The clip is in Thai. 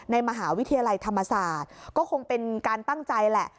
ในมหาวิทยาลัยธรรมศาสตร์ก็คงเป็นการตั้งใจแหละ